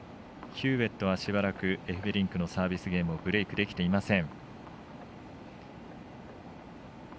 ヒューウェットはしばらくエフベリンクのサービスゲームをブレークできていません。